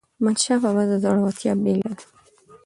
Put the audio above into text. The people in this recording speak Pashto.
احمدشاه بابا د زړورتیا بېلګه ده.